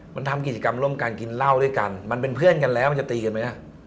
มันทำกิจกรรมร่วมกันกินเหล้าด้วยกันมันเป็นเพื่อนกันแล้วมันจะตีกันไหม